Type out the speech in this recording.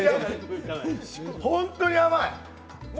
本当に甘い。